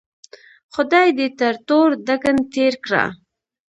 خدای دې تر تور دکن تېر کړه.